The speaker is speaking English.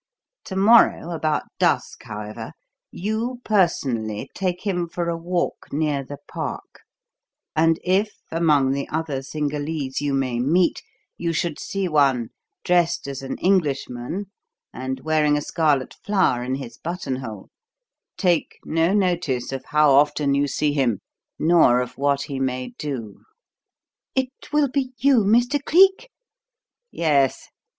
To morrow about dusk, however, you, personally, take him for a walk near the Park, and if, among the other Cingalese you may meet, you should see one dressed as an Englishman, and wearing a scarlet flower in his buttonhole, take no notice of how often you see him nor of what he may do." "It will be you, Mr. Cleek?" "Yes.